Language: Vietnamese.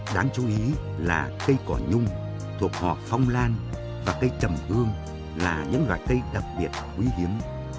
đáng chú ý là cây cỏ nhung thuộc hò phong lan và cây trầm hương là những loài cây đặc biệt quý hiếm